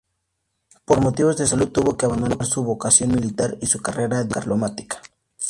Por motivos de salud tuvo que abandonar su vocación militar y su carrera diplomática.